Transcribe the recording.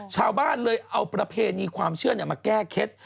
ชาวบ้านเลยเอาประเพณีความเชื่อมาแก้เคล็ด